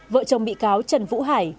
vợ chồng bị cáo trần vũ hải